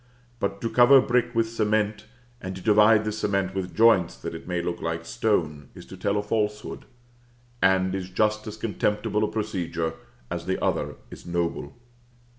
But to cover brick with cement, and to divide this cement with joints that it may look like stone, is to tell a falsehood; and is just as contemptible a procedure as the other is noble.